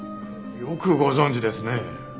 よくご存じですね。